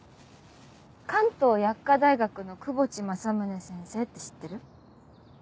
関東薬科大学の窪地政宗先生って知ってる？